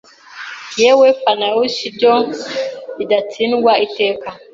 Yewe Kapaneus ibyo bidatsindwa iteka